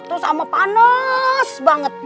terus sama panas banget